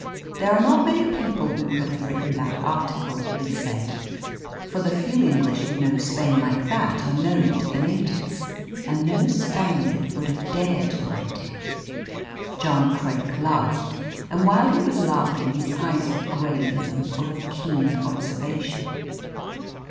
"There are not many people who could have written that article," he said. "For the few English who know Spain like that are known to the natives. And no Spaniard would have dared to write it." John Craik laughed, and while he was laughing his eyes were grave and full of keen observation.